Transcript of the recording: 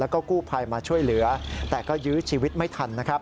แล้วก็กู้ภัยมาช่วยเหลือแต่ก็ยื้อชีวิตไม่ทันนะครับ